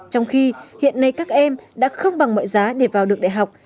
trong khi hiện nay các em đã không bằng mọi giá để vào được đại học